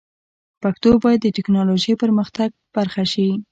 پښتو باید د ټکنالوژۍ د پرمختګ برخه شي.